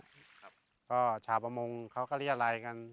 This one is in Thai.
เจ้าชาวประมงเขาก็เรียกอะไรกัน